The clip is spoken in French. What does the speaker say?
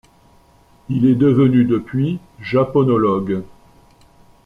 Il est devenu depuis japonologue.